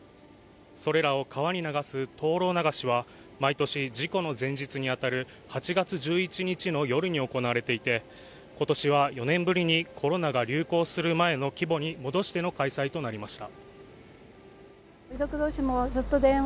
それらを川に流す灯籠流しは毎年、事故の前日に当たる８月１１日の夜に行われていて、今年は４年ぶりにコロナが流行する前の規模に戻しての開催となりました。